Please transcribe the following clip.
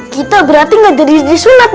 kita berarti gak jadi disunat